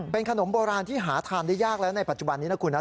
เป็นขนมโบราณที่หาทานได้ยากแล้วในปัจจุบันนี้นะคุณนะ